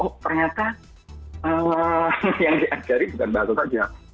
oh ternyata yang diajari bukan baru saja